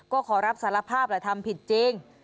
ก็ขอรับสารภาพแหละทำผิดจริง